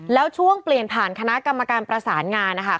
แล้วช่วงเปลี่ยนผ่านคณะกรรมการประสานงานนะคะ